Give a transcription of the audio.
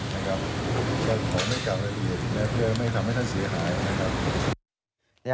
แต่ขอไม่กลับละเอียดแม้เพื่อไม่ทำให้ท่านเสียหาย